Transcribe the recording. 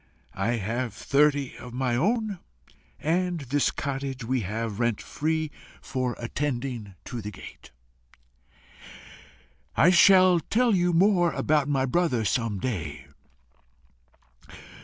I have thirty of my own, and this cottage we have rent free for attending to the gate. I shall tell you more about my brother some day.